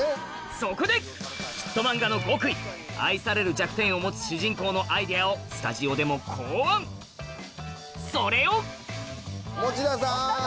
そこでヒットマンガの極意愛される弱点を持つ主人公のアイデアをスタジオでも考案それを持田さん！